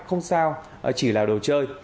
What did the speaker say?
không sao chỉ là đồ chơi